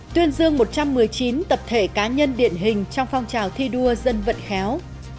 tuyên dương một trăm một mươi chín tập thể cá nhân điển hình trong phong trào thi đua dân vận khéo